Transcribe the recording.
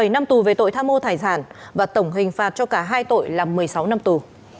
bảy năm tù về tội tham mô tài sản và tổng hình phạt cho cả hai tội là một mươi sáu năm tù